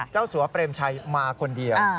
สัวเปรมชัยมาคนเดียว